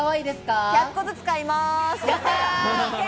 １００個ずつ買います！